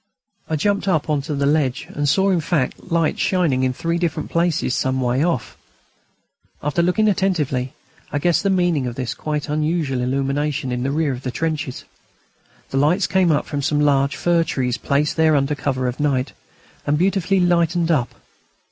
I jumped up on to the ledge and saw, in fact, lights shining in three different places some way off. After looking attentively I guessed the meaning of this quite unusual illumination in the rear of the trenches. The lights came from some large fir trees, placed there under cover of night, and beautifully lighted up.